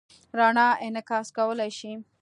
رڼا انعکاس کولی شي.